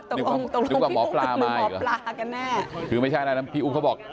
ตกลงพี่อุ๊บคือหมอปลากันแน่คือไม่ใช่แน่พี่อุ๊บเขาบอก